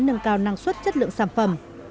nâng cao năng suất chất lượng sản phẩm